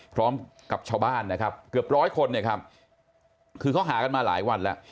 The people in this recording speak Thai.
พร้อมกับชาวบ้านนะครับเกือบร้อยคนเนี่ยครับคือเขาหากันมาหลายวันแล้ว